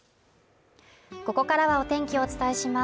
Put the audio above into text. ここからはお天気をお伝えします